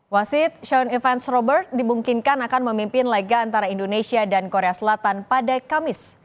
wasit xon events robert dimungkinkan akan memimpin laga antara indonesia dan korea selatan pada kamis